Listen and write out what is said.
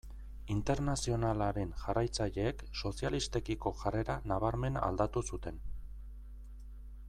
Internazionalaren jarraitzaileek sozialistekiko jarrera nabarmen aldatu zuten.